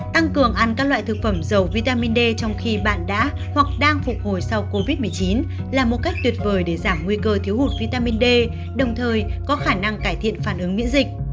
tăng cường ăn các loại thực phẩm dầu vitamin d trong khi bạn đã hoặc đang phục hồi sau covid một mươi chín là một cách tuyệt vời để giảm nguy cơ thiếu hụt vitamin d đồng thời có khả năng cải thiện phản ứng miễn dịch